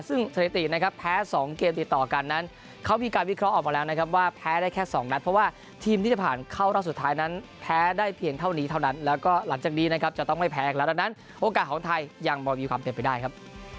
ซึ่งสถิตินะครับแพ้๒เกมติดต่อกันนั้นเขามีการวิเคราะห์ออกมาแล้วนะครับว่าแพ้ได้แค่๒นัดเพราะว่าทีมที่จะผ่านเข้ารอบสุดท้ายนั้นแพ้ได้เพียงเท่านี้เท่านั้นแล้วก็หลังจากนี้นะครับจะต้องไม่แพ้กันแล้วดังนั้นโอกาสของไทยยังพอมีความเป็นไปได้ครับ